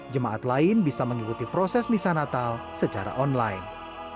jemaat lain bisa mengikuti proses misa natal secara online